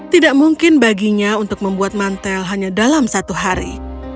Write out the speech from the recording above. tidak mungkin baginya untuk membuat mantel hanya dalam satu hari